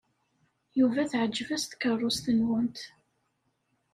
Yuba teɛjeb-as tkeṛṛust-nwent.